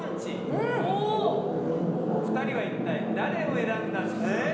２人は一体誰を選んだんでしょうか？